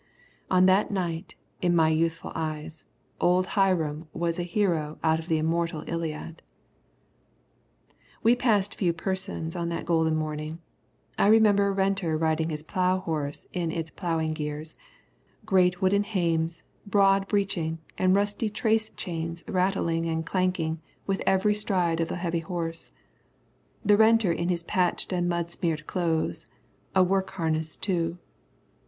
On that night, in my youthful eyes, old Hiram was a hero out of the immortal Iliad. We passed few persons on that golden morning. I remember a renter riding his plough horse in its ploughing gears; great wooden hames, broad breeching, and rusty trace chains rattling and clanking with every stride of the heavy horse; the renter in his patched and mud smeared clothes, work harness too.